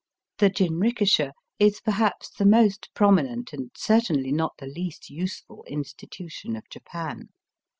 The jinrikisha is perhaps the most prominent and certainly not the least useful institution of Japan.